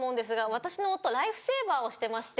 私の夫ライフセーバーをしてまして。